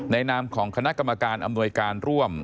นามของคณะกรรมการอำนวยการร่วม